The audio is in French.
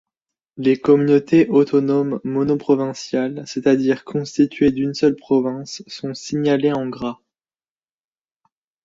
Les communautés autonomes monoprovinciales, c'est-à-dire constituées d'une seule province, sont signalées en gras.